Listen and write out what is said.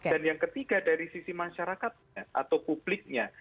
dan yang ketiga dari sisi masyarakat atau publiknya